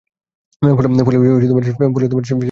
ফলে সে গর্ভবতী হয়ে পড়ে।